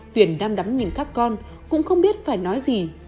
tuyền đam đắm nhìn các con cũng không biết phải nói gì